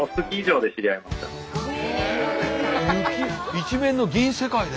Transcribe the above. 一面の銀世界で。